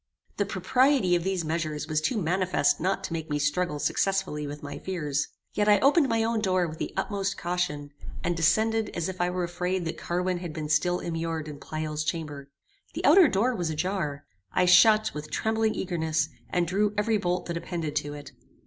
The propriety of these measures was too manifest not to make me struggle successfully with my fears. Yet I opened my own door with the utmost caution, and descended as if I were afraid that Carwin had been still immured in Pleyel's chamber. The outer door was a jar. I shut, with trembling eagerness, and drew every bolt that appended to it.